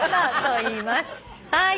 はい。